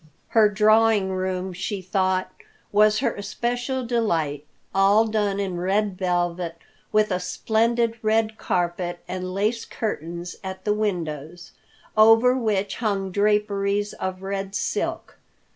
Her drawing room she thought was her especial delight, all done in red velvet, with a splendid red carpet and lace curtains at the windows, over which hung draperies of red silk.